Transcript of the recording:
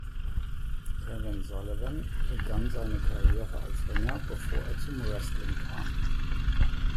Kevin Sullivan begann seine Karriere als Ringer, bevor er zum Wrestling kam.